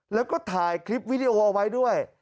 แล้วก็ถ่ายคลิปวิดีโอเอาไว้ด้วย